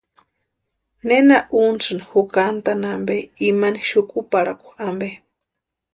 ¿Nena untsini jukantani ampe, imani xukuparhakua ampe?